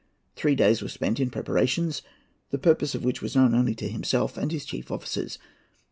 Three days were spent in preparations, the purpose of which was known only to himself and to his chief officers.